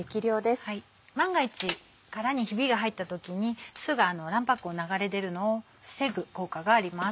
万が一殻にヒビが入った時に酢が卵白の流れ出るのを防ぐ効果があります。